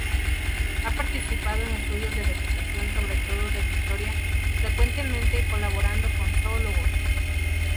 Ha participado en estudios de vegetación sobre todo de Victoria, frecuentemente colaborando con zoólogos.